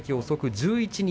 １１日。